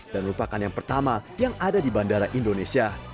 dan lupakan yang pertama yang ada di bandara indonesia